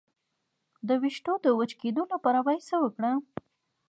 د ویښتو د وچ کیدو لپاره باید څه وکاروم؟